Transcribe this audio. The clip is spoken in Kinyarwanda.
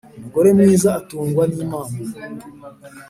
Umugore mwiza atangwa n’Imana